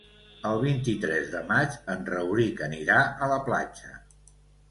El vint-i-tres de maig en Rauric anirà a la platja.